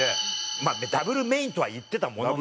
まあダブルメインとは言ってたものの。